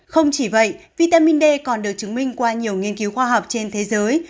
không chỉ vậy vitamin d còn được chứng minh qua nhiều nghiên cứu khoa học trên thế giới